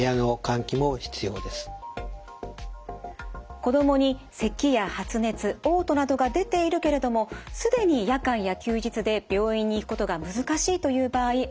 子どもにせきや発熱おう吐などが出ているけれども既に夜間や休日で病院に行くことが難しいという場合あると思います。